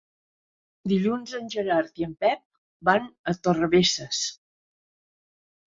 Dilluns en Gerard i en Pep van a Torrebesses.